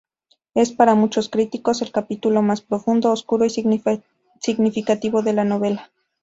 Es, para muchos críticos, el capítulo más profundo, oscuro y significativo de la novela.